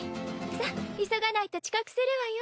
さっ急がないと遅刻するわよ。